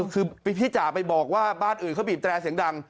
คือพี่จ๋าไปบอกว่าบ้านอื่นเขาบีบแตรเสียงดัง